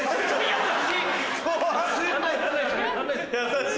優しい！